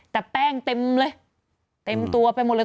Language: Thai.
แต่แป้งเต็มเลยเต็มตัวไปหมดเลย